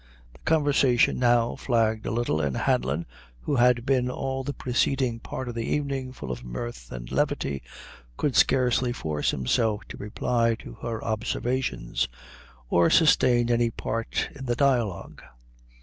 The conversation now flagged a little, and Hanlon, who had been all the preceding part of the evening full of mirth and levity, could scarcely force himself to reply to her observations, or sustain any part in the dialogue.